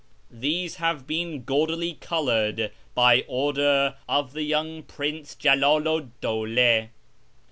These have been gaudily coloured by order of the young Prince Jalalu 'd Dawla.